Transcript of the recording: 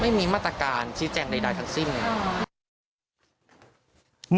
ไม่มีมาตาการชี้แจงใดพักตรงทุกสิ้น